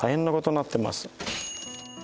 なってます